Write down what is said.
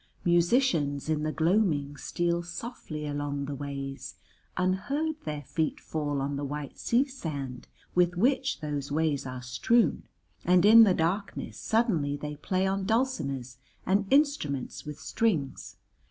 Musicians in the gloaming steal softly along the ways; unheard their feet fall on the white sea sand with which those ways are strewn, and in the darkness suddenly they play on dulcimers and instruments with strings.